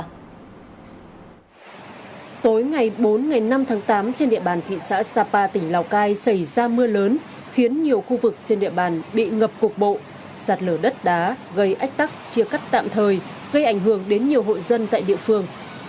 tối ngày bốn năm tháng tám trên địa bàn thị xã sapa tỉnh lào cai xảy ra mưa lớn khiến nhiều khu vực trên địa bàn bị ngập cuộc bộ sạt lở đất đá gây ách tắc chia cắt tạm thời gây ảnh hưởng đến nhiều hội dân tại địa phương